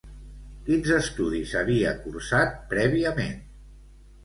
Quins estudis havia cursat prèviament?